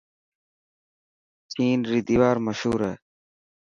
چين ري ديوار مشهور هي.